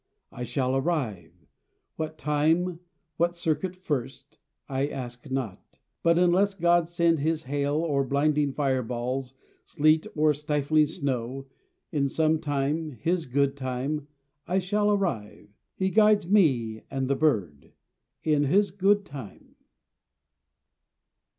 I shall arrive! what time, what circuit first, I ask not: but unless God send his hail Or blinding fireballs, sleet or stifling snow, In some time, his good time, I shall arrive: He guides me and the bird. In his good time!